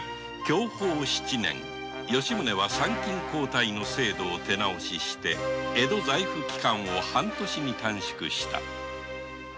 享保７年吉宗は参勤交代の制度を手直しして江戸在府期間を半年とした。